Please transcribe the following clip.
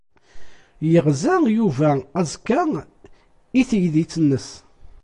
Yeɣza Yuba aẓekka i teydit-nnes.